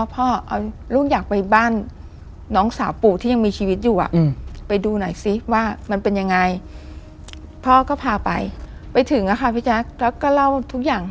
เป็นยังไงพ่อก็พาไปไปถึงนะคะพี่แจ๊กแล้วก็เล่าทุกอย่าง